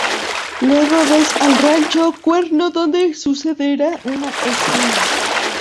Luego ves al rancho Cuerno donde sucederá una escena.